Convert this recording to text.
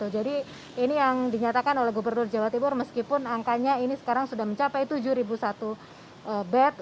jadi ini yang dinyatakan oleh gubernur jawa timur meskipun angkanya ini sekarang sudah mencapai tujuh satu bed